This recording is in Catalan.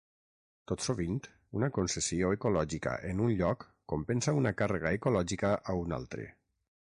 Tot sovint, una concessió ecològica en un lloc compensa una càrrega ecològica a un altre.